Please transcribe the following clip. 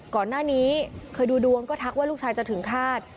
ก่อนหน้านี้เคยดูดวงก็ทักว่าลูกชายจะถึงฆาต